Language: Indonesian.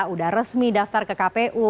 udah resmi daftar ke kpu